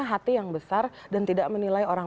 hati yang besar dan tidak menilai orang